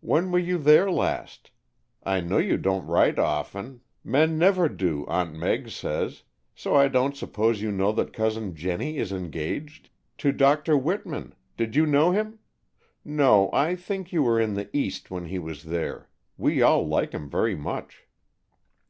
When were you there last? I know you don't write often, men never do, Aunt Meg says, so I don't suppose you know that Cousin Jennie is engaged? To Dr. Whitman. Did you know him? No, I think you were in the east when he was there. We all like him very much."